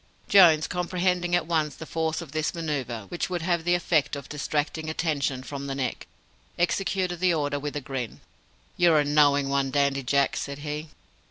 Jones comprehending at once the force of this manoeuvre, which would have the effect of distracting attention from the Neck executed the order with a grin. "You're a knowing one, Dandy Jack," said he.